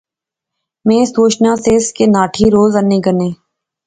میں سوچنا سیس کہ ناٹھی روز اینے گینے